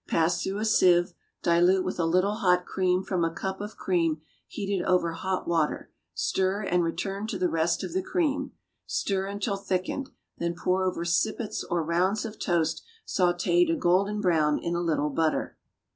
Pass through a sieve, dilute with a little hot cream from a cup of cream heated over hot water, stir, and return to the rest of the cream. Stir until thickened, then pour over sippets or rounds of toast sautéd a golden brown in a little butter.